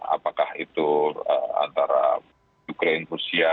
apakah itu antara ukraine rusia